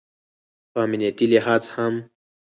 په امنیتي لحاظ هم